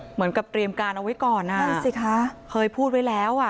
เหมือนกับเตรียมการเอาไว้ก่อนนะนั่นสิคะเคยพูดไว้แล้วอ่ะ